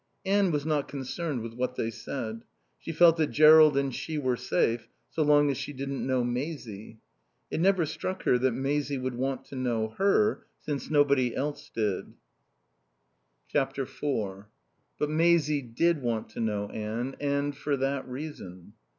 Anne was not concerned with what they said. She felt that Jerrold and she were safe so long as she didn't know Maisie. It never struck her that Maisie would want to know her, since nobody else did. iv But Maisie did want to know Anne and for that reason.